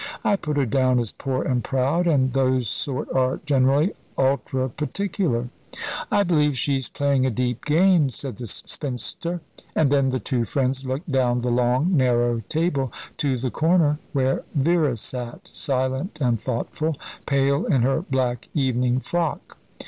I put her down as poor and proud, and those sort are generally ultra particular." "I believe she's playing a deep game," said the spinster, and then the two friends looked down the long, narrow table to the corner where Vera sat, silent and thoughtful, pale in her black evening frock.